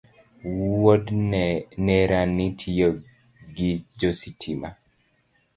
Wuod nerani tiyo gi jo sitima